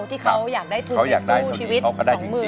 ที่เขาอยากได้ทุนไปสู้ชีวิต